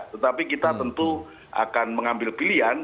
tetapi kita tentu akan mengambil pilihan